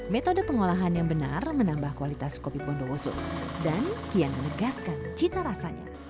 metode pengolahan yang benar menambah kualitas kopi bondowoso dan kian menegaskan cita rasanya